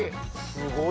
すごいね！